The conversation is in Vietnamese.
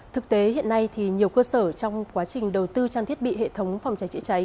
thực tế hiện nay thì nhiều cơ sở trong quá trình đầu tư trang thiết bị hệ thống phòng cháy chữa cháy